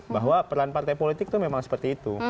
bahwa peran partai politik itu memang seperti itu